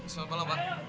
selamat malam pak